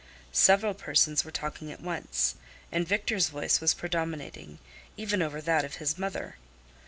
Several persons were talking at once, and Victor's voice was predominating, even over that of his mother.